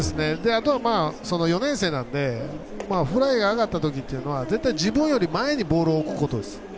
あとは４年生なんでフライが上がったときは絶対自分より前にボールを置くことです。